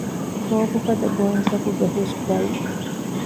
ކޯކުފަދަ ބުއިންތަކުގެ ހުސްދަޅު